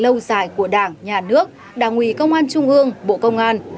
lâu dài của đảng nhà nước đảng ủy công an trung ương bộ công an